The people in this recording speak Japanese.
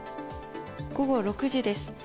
午後６時です。